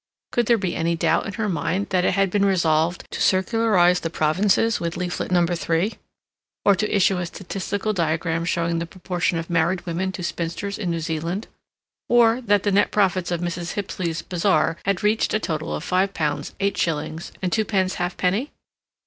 Could there be any doubt in her mind that it had been resolved to circularize the provinces with Leaflet No. 3, or to issue a statistical diagram showing the proportion of married women to spinsters in New Zealand; or that the net profits of Mrs. Hipsley's Bazaar had reached a total of five pounds eight shillings and twopence half penny?